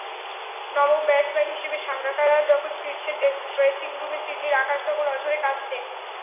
নবম ব্যাটসম্যান হিসেবে সাঙ্গাকারা যখন ফিরছেন ড্রেসিংরুমে, সিডনির আকাশ তখন অঝোরে কাঁদছে।